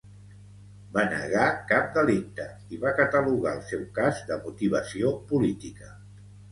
Va negar cap delicte i va catalogar el seu cas de motivació política.